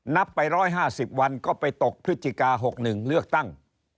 นับไป๑๕๐วันก็ไปตกพฤศจิกา๖๑เลือกตั้ง